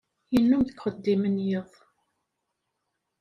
Yennum deg uxeddim n yiḍ